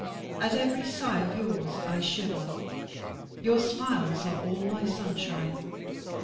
At every sigh of yours, I shiver; your smiles are all my sunshine.